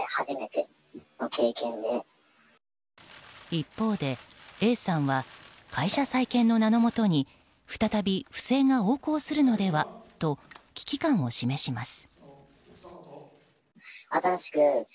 一方で、Ａさんは会社再建の名のもとに再び不正が横行するのではと危機感を示します。